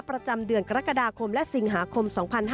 ประจำเดือนกรกฎาคมและสิงหาคม๒๕๕๙